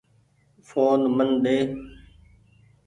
ڦون من ۮي۔